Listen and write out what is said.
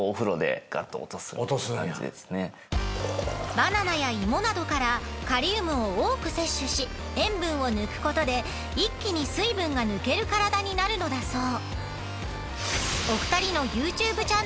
バナナや芋などからカリウムを多く摂取し塩分を抜くことで一気に水分が抜ける体になるのだそう。